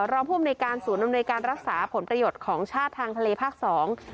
รองผู้อำนวยการศูนย์อำนวยการรักษาผลประโยชน์ของชาติทางทะเลภาคสอง